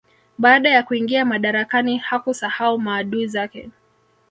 Baada ya kuingia madarakani hakusahau maadui zake